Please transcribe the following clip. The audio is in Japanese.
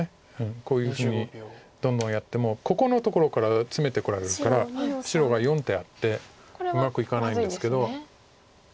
こういうふうにどんどんやってもここのところからツメてこられるから白が４手あってうまくいかないんですけど。